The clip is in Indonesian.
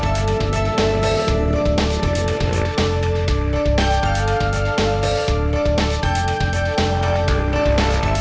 ya udah terdiam sayang